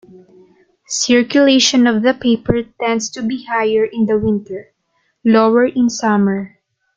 Circulation of the paper tends to be higher in the winter, lower in summer.